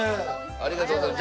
ありがとうございます。